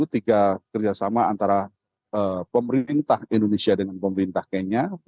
tiga kerjasama antara pemerintah indonesia dengan pemerintah kenya